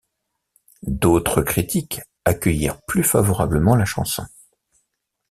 D'autres critiques accueillirent plus favorablement la chanson.